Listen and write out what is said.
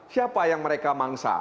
siapa yang mereka mangsa